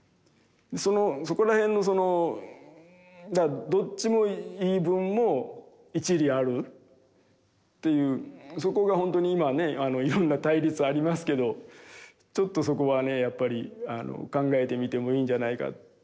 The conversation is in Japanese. そこら辺のどっちの言い分も一理あるっていうそこが本当に今ねいろんな対立ありますけどちょっとそこはねやっぱり考えてみてもいいんじゃないかと思いますね。